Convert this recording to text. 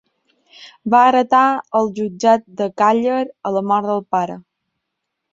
Va heretar el jutjat de Càller a la mort del pare.